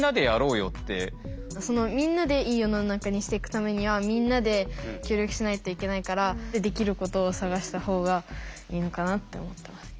みんなでいい世の中にしていくためにはみんなで協力しないといけないからできることを探したほうがいいのかなって思ってます。